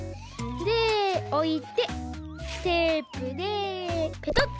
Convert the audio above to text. でおいてテープでペトッと。